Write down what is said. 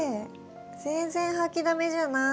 全然掃きだめじゃない。